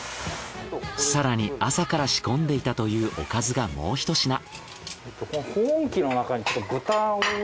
更に朝から仕込んでいたというおかずがもうひと品。